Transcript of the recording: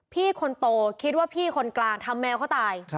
พี่คนโตคิดว่าพี่คนกลางทำแมวเขาตาย